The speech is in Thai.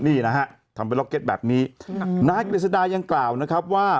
นี่นะฮะทำเป็นล็อกเก็ตแบบนี้นายกฤษดายังกล่าวนะครับว่า